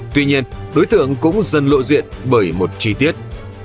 tuy nhiên đối tượng cũng dần lộ diện bởi một chi tiết